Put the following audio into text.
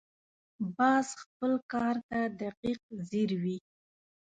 باز خپل ښکار ته دقیق ځیر وي